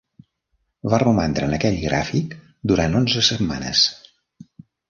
Va romandre en aquell gràfic durant onze setmanes.